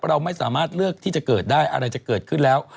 เราไม่สามารถเลือกที่จะเกิดได้อะไรจะเกิดขึ้นแล้ว